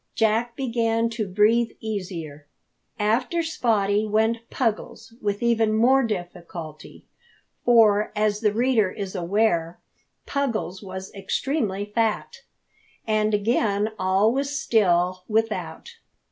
Jack began to breathe easier. After Spottie went Puggles with even more difficulty, for, as the reader is aware, Puggles was extremely fat; and again all was still without.